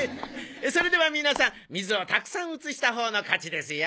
それでは皆さん水をたくさん移したほうの勝ちですよ。